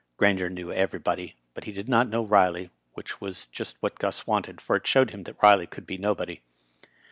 Grainger knew everybody, but he did not know Ri ley, which was just what Gus wanted, for it showed him that Riley could be nobody.